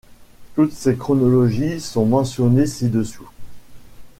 Toutes ces chronologies sont mentionnées ci-dessous.